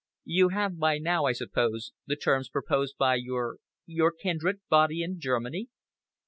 "You have by now, I suppose, the terms proposed by your your kindred body in Germany?"